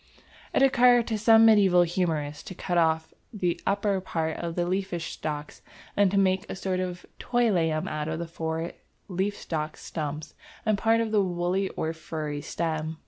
It occurred to some medieval humorist to cut off the upper part of the leaf stalks, and to make a sort of toy lamb out of the four leaf stalk stumps and part of the woolly or furry stem.